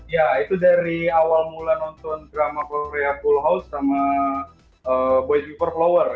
ya itu dari awal mulai nonton drama korea full house sama boys before flower